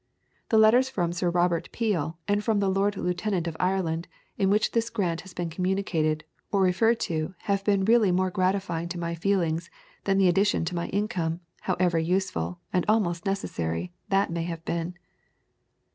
The letters from Sir Robert Peel and from the Lord Lieutenant of Ireland in which this grant has been communicated or referred to have been really more gratifying to my feelings than the addition to my income, however useful, and almost necessary, that may have been."